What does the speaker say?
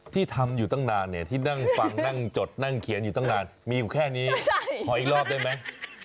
ที่ทำอยู่ตั้งนานเนี่ยที่นั่งฟังนั่งจดนั่งเขียนอยู่ตั้งนานมีอยู่แค่นี้ขออีกรอบได้ไหม